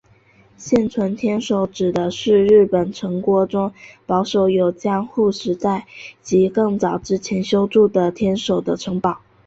现存天守指的是日本城郭中保留有江户时代及更早之前修筑的天守的城堡。